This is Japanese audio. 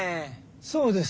そうです。